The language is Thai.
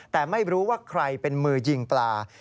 แต่ไม่รู้ว่าใครเป็นมือยิงปลา